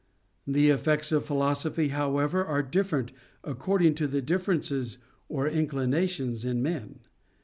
The effects of philosophy, however. are different according to the difference of inclinations in men.